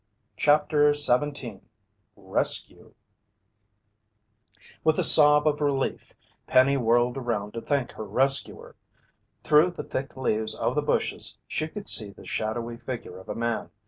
CHAPTER 17 RESCUE With a sob of relief, Penny whirled around to thank her rescuer. Through the thick leaves of the bushes she could see the shadowy figure of a man.